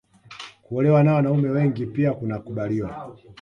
Kuolewa na wanaume wengi pia kunakubaliwa